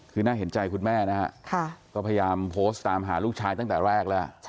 คือน่าเห็นใจคุณแม่นะฮะก็พยายามโพสต์ตามหาลูกชายตั้งแต่แรกแล้ว